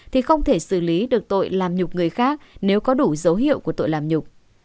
thì không thể xử lý được tội làm nhục người khác nếu có đủ dấu hiệu của tội làm nhục